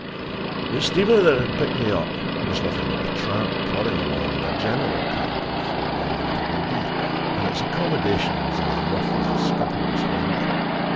The steamer that had picked me up was nothing but a tramp, plodding along with a general cargo from London to Dundee, and its accommodation was as rough as its skipper was homely.